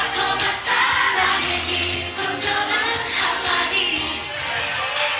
kukunin melesa yang kecil